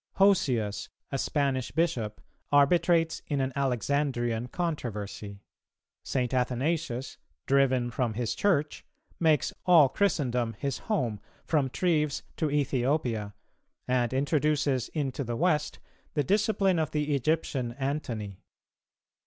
Hosius, a Spanish Bishop, arbitrates in an Alexandrian controversy. St. Athanasius, driven from his Church, makes all Christendom his home, from Treves to Ethiopia, and introduces into the West the discipline of the Egyptian Antony.